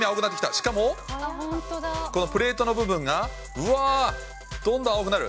しかもこのプレートの部分が、うわー、どんどん青くなる。